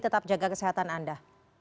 tetap jaga kesehatan anda